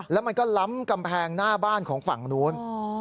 แล้วมันก็ล้ำกำแพงหน้าบ้านของฝั่งนู้น